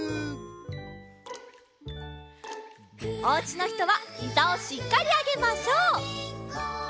おうちのひとはひざをしっかりあげましょう。